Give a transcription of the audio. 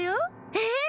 えっ？